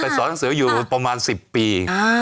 สอนหนังสืออยู่ประมาณ๑๐ปี